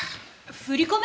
振り込め